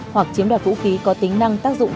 hoặc chiếm đoạt vũ khí có tính năng tác dụng